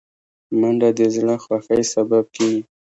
منډه د زړه خوښۍ سبب کېږي